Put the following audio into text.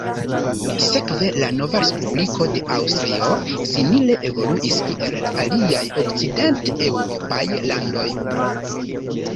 Sekve la nova respubliko de Aŭstrio simile evoluis kiel la aliaj okcidenteŭropaj landoj.